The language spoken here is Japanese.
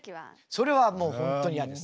それはもう本当に嫌です。